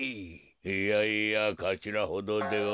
いやいやかしらほどでは。